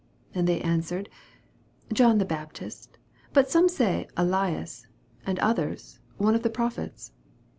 28 And they answered, John the Baptist : but some say, Elias ; and others, One of the prophets.